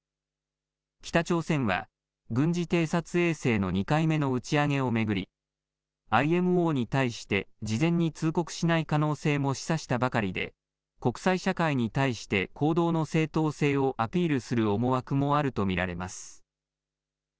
北朝鮮は軍事偵察衛星の２回目の打ち上げを巡りＩＭＯに対して事前に通告しない可能性も示唆したばかりで国際社会に対して行動の正当性をアピールする思惑もあると見られます。